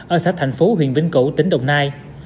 ở xã thành phố huyền vĩnh cửu tỉnh đồng nai